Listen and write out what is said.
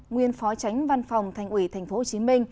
nguyên phó chánh văn phòng thành ủy tp hcm